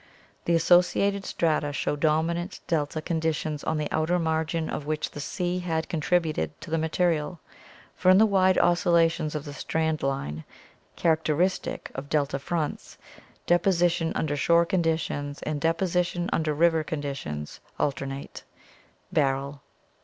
The associated strata show dominant delta conditions on the outer margin of which the sea had contributed to the material, for in the wide oscillations of the strand line characteristic of delta fronts, deposi tion under shore conditions and deposition under river conditions alternate (Barrell).